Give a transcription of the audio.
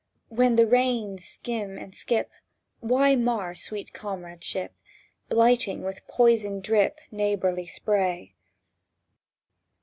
When the rains skim and skip, Why mar sweet comradeship, Blighting with poison drip Neighbourly spray?